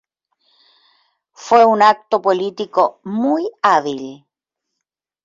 Fue un acto político muy hábil.